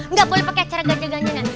nggak boleh pakai cara ganjil ganjil ngan